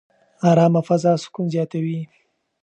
ارامه فضا سکون زیاتوي.